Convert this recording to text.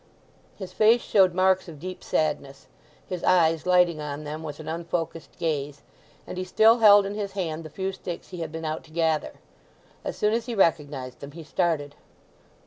His face showed marks of deep sadness, his eyes lighting on them with an unfocused gaze; and he still held in his hand the few sticks he had been out to gather. As soon as he recognized them he started.